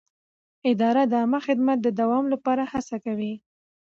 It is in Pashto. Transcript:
اداره د عامه خدمت د دوام لپاره هڅه کوي.